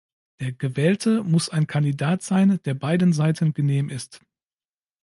Der Gewählte muss ein Kandidat sein, der beiden Seiten genehm ist.